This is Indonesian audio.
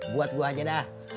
buat gue aja dah